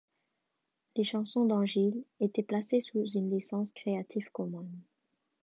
Les chansons d'Angil étaient placées sous une licence Creative Commons.